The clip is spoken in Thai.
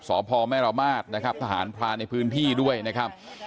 สพแม่ระมาทนะครับทหารพรานในพื้นที่ด้วยนะครับ